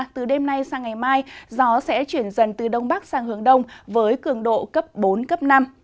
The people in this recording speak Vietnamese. từ đêm nay sang ngày mai gió sẽ chuyển dần từ đông bắc sang hướng đông với cường độ cấp bốn cấp năm